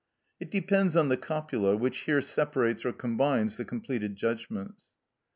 It depends on the copula, which here separates or combines the completed judgments.